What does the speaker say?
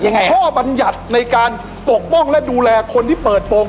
ข้อบรรยัติในการปกป้องและดูแลคนที่เปิดโปรง